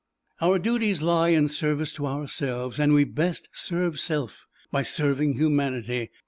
Our duties lie in service to ourselves, and we best serve self by serving humanity.